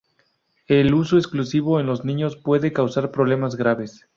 El uso excesivo en los niños puede causar problemas graves.